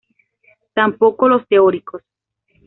Tampoco los teóricos.